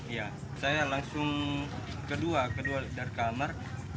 iya saya langsung kedua dari kamar